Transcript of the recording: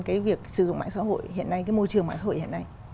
cái việc sử dụng mạng xã hội hiện nay cái môi trường mạng xã hội hiện nay